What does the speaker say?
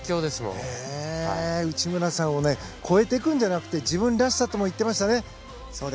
内村さんを超えていくんじゃなくて自分らしさとも言っていましたね。